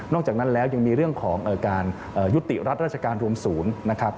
อกจากนั้นแล้วยังมีเรื่องของการยุติรัฐราชการรวมศูนย์นะครับ